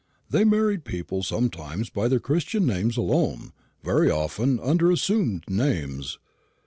They married people sometimes by their Christian names alone very often under assumed names.